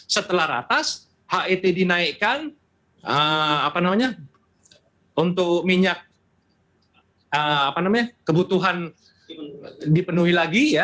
setelah ratas het dinaikkan untuk minyak kebutuhan dipenuhi lagi